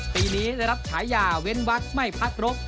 ปีนี้ได้รับฉายาเว้นวักไม่พักรบ